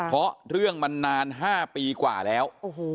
เพราะเรื่องมันนาน๕ปีกว่าแล้ว